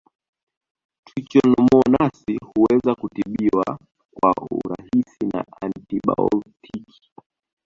Trichomonasi huweza kutibiwa kwa urahisi na antibaotiki